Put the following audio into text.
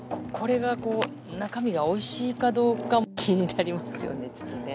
中身がおいしいかどうか気になりますよね。